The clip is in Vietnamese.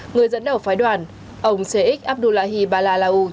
người dẫn đầu phái đoàn ông cx abdullah hibbalalau